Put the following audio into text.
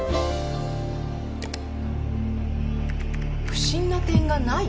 不審な点がない？